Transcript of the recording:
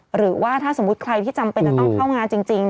หรือว่าถ้าสมมุติใครที่จำเป็นจะต้องเข้างานจริง